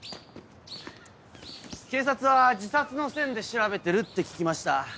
警察は自殺の線で調べてるって聞きました。